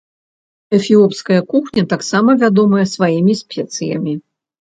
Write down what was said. Эфіопская кухня таксама вядомая сваімі спецыямі.